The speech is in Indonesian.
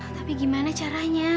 tapi gimana caranya